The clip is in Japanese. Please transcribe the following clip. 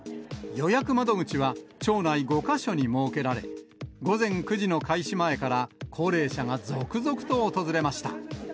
予約窓口は町内５か所に設けられ、午前９時の開始前から、高齢者が続々と訪れました。